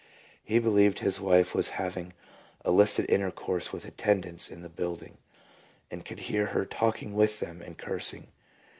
He believed his wife was having illicit intercourse with attendants in the building, and could hear her talking with them and cursing.